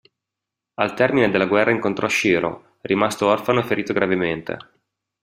Al termine della guerra incontrò Shirō, rimasto orfano e ferito gravemente.